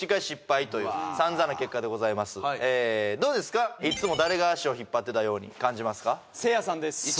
失敗というさんざんな結果でございますどうですかいっつも誰が足を引っ張ってたように感じますかせいやさんです！